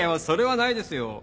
それはないですよ。